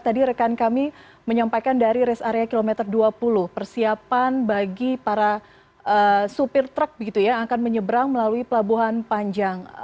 tadi rekan kami menyampaikan dari res area kilometer dua puluh persiapan bagi para supir truk akan menyebrang melalui pelabuhan panjang